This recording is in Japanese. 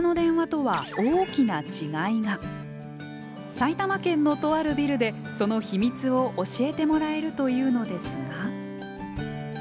埼玉県のとあるビルでその秘密を教えてもらえるというのですが。